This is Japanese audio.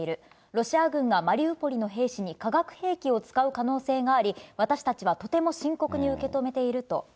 ロシア軍がマリウポリの兵士に化学兵器を使う可能性があり、私たちはとても深刻に受け止めていると。